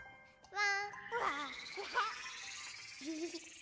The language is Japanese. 「わ！」